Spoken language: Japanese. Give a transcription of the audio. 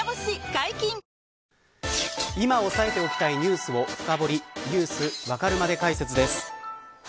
解禁‼今押さえておきたいニュースを深掘りＮｅｗｓわかるまで解説です。